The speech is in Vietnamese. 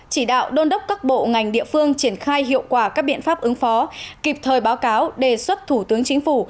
các bộ ngành địa phương triển khai hiệu quả các biện pháp ứng phó kịp thời báo cáo đề xuất thủ tướng chính phủ